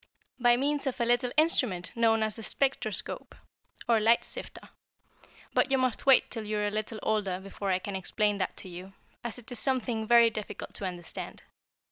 "By means of a little instrument known as the spectroscope, or light sifter. But you must wait till you are a little older before I can explain that to you, as it is something very difficult to understand.